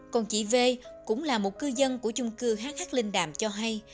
còn chị v cũng là một cư dân của chung cư hh linh đàm cho hay